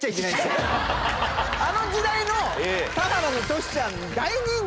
あの時代の田原のトシちゃん。